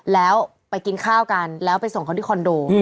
แล้วไปกินข้าวกันแล้วไปส่งเขาที่คอนโด